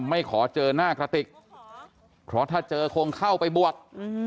ไม่ขอเจอหน้ากระติกเพราะถ้าเจอคงเข้าไปบวช